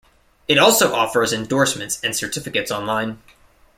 It also offers endorsements and certificates online.